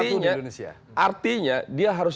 itu di indonesia artinya dia harus